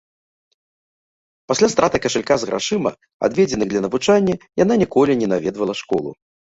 Пасля страты кашалька з грашыма, адведзеных для навучання, яна ніколі не наведвала школу.